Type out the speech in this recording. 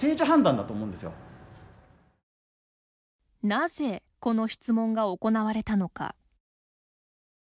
なぜこの質問が行なわれたのか。